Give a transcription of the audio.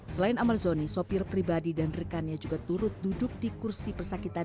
selain amar zoni sopir pribadi dan rekannya juga turut duduk di kursi persakitan